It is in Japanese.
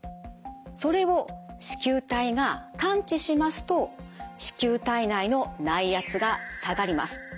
それを糸球体が感知しますと糸球体内の内圧が下がります。